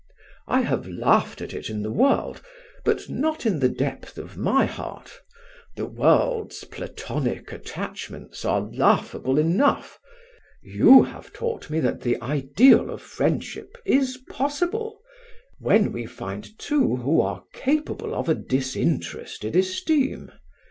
"I have laughed at it in the world, but not in the depth of my heart. The world's platonic attachments are laughable enough. You have taught me that the ideal of friendship is possible when we find two who are capable of a disinterested esteem.